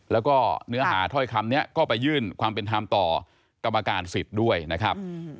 แล้วก็เนื้อหาถ้อยคำนี้ก็ไปยื่นความเป็นธรรมต่อกรรมการสิทธิ์ด้วยนะครับ